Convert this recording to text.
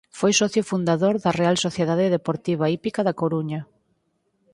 Foi socio fundador da Real Sociedade Deportiva Hípica da Coruña.